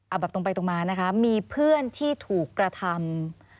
เอาแบบตรงไปตรงมานะคะมีเพื่อนที่ถูกกระทำ